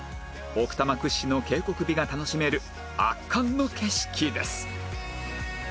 奥多摩屈指の渓谷美が楽しめる圧巻の景色です